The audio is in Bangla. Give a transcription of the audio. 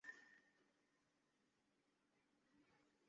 নীলকান্ত হকের চেয়ে বড়ো আর কিছুই দেখিতে পায় না।